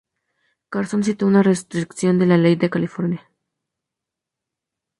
Carson citó una restricción de la ley de California.